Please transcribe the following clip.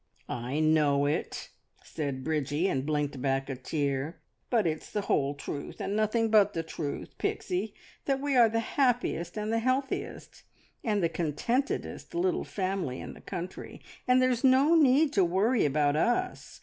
"I know it," said Bridgie, and blinked back a tear. "But it's the whole truth, and nothing but the truth, Pixie, that we are the happiest, and the healthiest, and the contentedest little family in the country, and there's no need to worry about us.